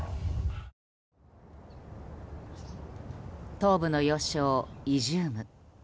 東部の要衝イジューム。